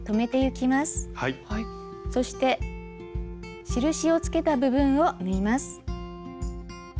そして印をつけた部分を縫います。